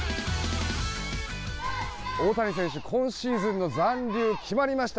大谷選手、今シーズンの残留が決まりました。